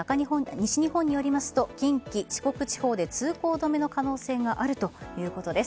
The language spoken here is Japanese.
西日本によりますと近畿、四国地方で通行止めの可能性があるということです。